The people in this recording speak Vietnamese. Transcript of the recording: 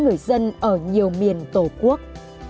người dân ở nhiều miền tổ quốc